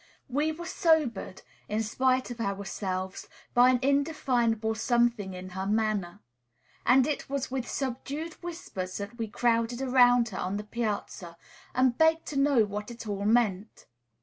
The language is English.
We were sobered, in spite of ourselves, by an indefinable something in her manner; and it was with subdued whispers that we crowded around her on the piazza, and begged to know what it all meant.